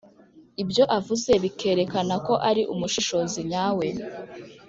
ibyo avuze bikerekana ko ari umushishozi nyawe.